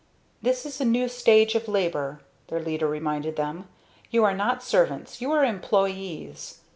"This is a new stage of labor," their leader reminded them. "You are not servants you are employees.